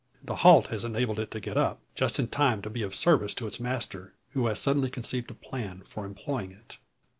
The halt has enabled it to get up, just in time to be of service to its master, who has suddenly conceived a plan for employing it.